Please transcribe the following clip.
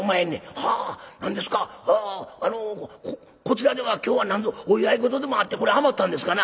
はあ何ですかあのこちらでは今日はなんぞお祝い事でもあってこれ余ったんですかな？」。